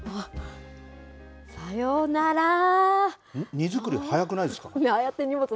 荷造り早くないですか。